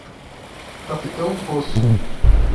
Capitão Poço